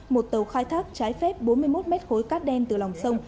một tàu khai thác trái phép bốn mươi một mét khối cát đen từ lòng sông